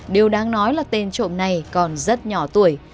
điều đáng nói là tên trộm này còn rất nhỏ tuổi